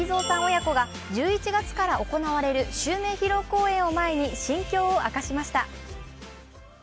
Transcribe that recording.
親子が１１月から行われる襲名披露公演を前に心境を明かしました。